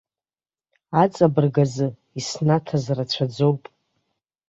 Аҵабырг азы, иснаҭаз рацәаӡоуп.